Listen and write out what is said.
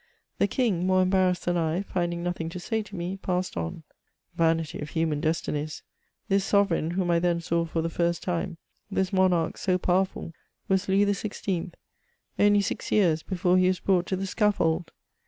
The king, more embarrassed than I, finding nothing to say to me, passed on. Vanity of human destinies ! This sovereign, whom i then saw for the first time, — this monarch so powerfal, * was Louis XVI., only six years before he was brought to the scaffold